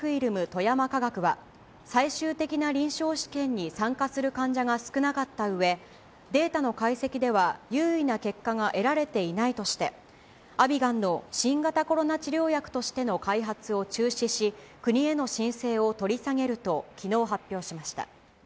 富山化学は、最終的な臨床試験に参加する患者が少なかったうえ、データの解析では有意な結果が得られていないとして、アビガンの新型コロナ治療薬としての開発を中止し、国への申請を取り下げると、きのう発表しました。